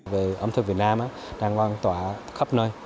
về ấm thực việt nam đang quan tỏa khắp nơi